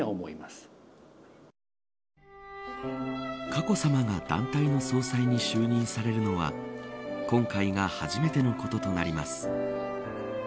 佳子さまが団体の総裁に就任されるのは今回が初めてのこととなります。